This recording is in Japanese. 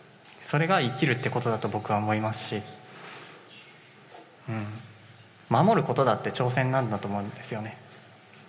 それが生きるってことだと僕は思いますし守ることだって挑戦なんだと思うんですよね。